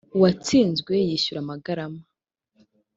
uwatsinzwe yishyura amagarama